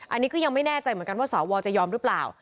อันนี้ก็ยังไม่แน่ใจเหมือนกันว่าสวจะยอมหรือเปล่า